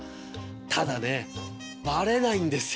ただねバレないんですよ。